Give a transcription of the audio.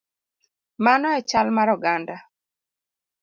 Mano e chal mar oganda.